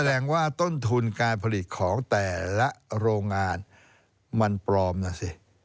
แสดงว่าต้นทุนการผลิตของแต่ละโรงงานมันปลอมนะสิ